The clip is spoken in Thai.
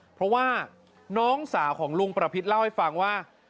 เพราะว่าน้องสาวของลุงประพิษเล่าให้ฟังว่า